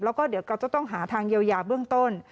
แล้วก็เดี๋ยวเราจะต้องหาทางเยียวยาเบื้องต้น